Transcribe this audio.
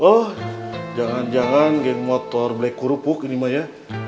oh jangan jangan geng motor black kerupuk ini maya